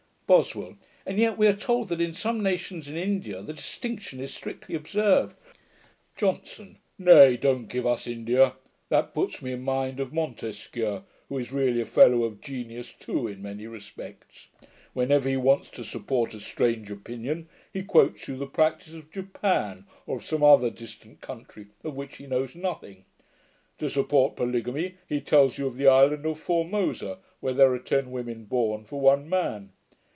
BOSWELL. 'And yet we are told that in some nations in India, the distinction is strictly observed.' JOHNSON. 'Nay, don't give us India. That puts me in mind of Montesquieu, who is really a fellow of genius too in many respects; whenever he wants to support a strange opinion, he quotes you the practice of Japan or of some other distant country, of which he knows nothing. To support polygamy, he tells you of the island of Formosa, where there are ten women born for one man.